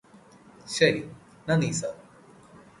ശരി നന്ദി സർ